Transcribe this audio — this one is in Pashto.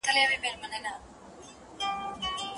جاپاني مالونه اوس بازار کې نه شته.